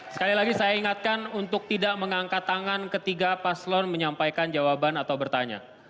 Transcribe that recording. sekali lagi saya ingatkan untuk tidak mengangkat tangan ketiga paslon menyampaikan jawaban atau bertanya